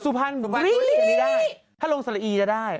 สุภัณฑ์จริงถ้าลงสละอีจะได้